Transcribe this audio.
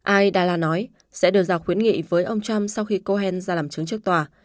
ai đà la nói sẽ đưa ra khuyến nghị với ông trump sau khi cohen ra làm chứng trước tòa